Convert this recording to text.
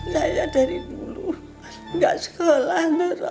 saya dari dulu enggak sekolah nero